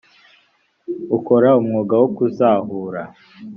ukora umwuga wo kuzahura